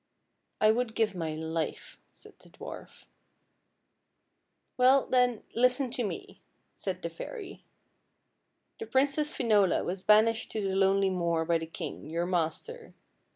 "" I would give my life," said the dwarf. " Well, then, listen to me," said the fairy. " The Princess Finola was banished to the lonely moor by the king, your master.